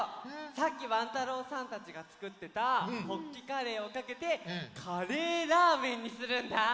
さっきワン太郎さんたちがつくってたホッキカレーをかけてカレーラーメンにするんだ！